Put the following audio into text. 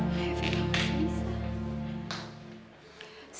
evita masih bisa